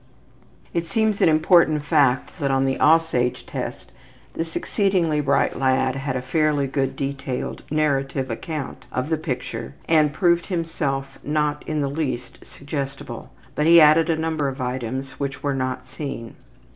It seems an important fact that on the ``Aussage'' Test this exceedingly bright lad gave a fairly good detailed narrative account of the picture and proved himself not in the least suggestible, but he added a number of items which were not seen.